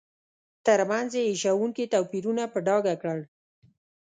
ترمنځ یې هیښوونکي توپیرونه په ډاګه کړل.